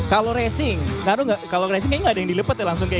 kalau racing kalau racing kayaknya nggak ada yang dilepet ya langsung kayak